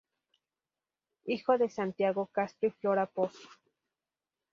Hijo de Santiago Castro y Flora Pozo.